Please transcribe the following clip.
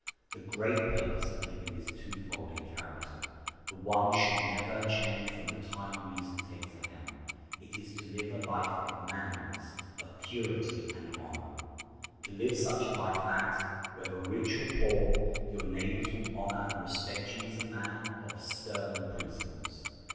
The great purpose of living is twofold in character. The one should never change from the time reason takes the helm; it is to live a life of manliness, of purity and honor. To live such a life that, whether rich or poor, your neighbors will honor and respect you as a man of sterling principles.